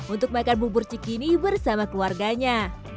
untuk makan bubur cikini bersama keluarganya